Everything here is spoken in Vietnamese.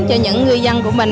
cho những ngư dân của mình